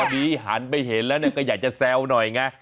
อันนี้หันไปเห็นแล้วก็อยากจะแซวหน่อยไง